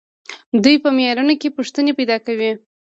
دوی په معیارونو کې پوښتنې پیدا کوي.